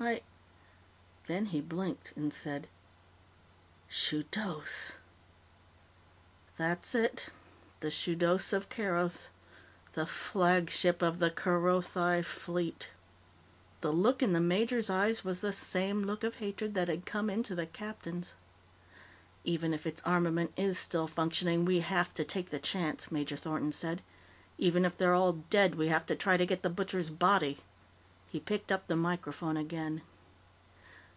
"I " Then he blinked and said, "Shudos!" "That's it. The Shudos of Keroth. The flagship of the Kerothi Fleet." The look in the major's eyes was the same look of hatred that had come into the captain's. "Even if its armament is still functioning, we have to take the chance," Major Thornton said. "Even if they're all dead, we have to try to get The Butcher's body." He picked up the microphone again.